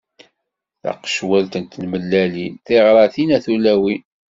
Taqecwalt n tmellalin, tiɣratin a tulawin.